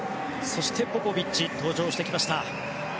そして、ポポビッチが登場してきました。